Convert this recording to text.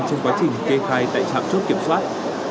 trong quá trình kê khai tại trạm chốt kiểm soát